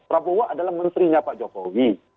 prabowo adalah menterinya pak jokowi